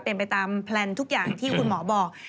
เป็นไปตามแพลนทุกอย่างที่คุณหมอบอก